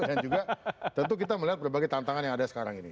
dan juga tentu kita melihat berbagai tantangan yang ada sekarang ini